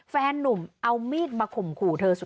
แฟนนุ่มเอามีดมาข่มขู่เธอสุด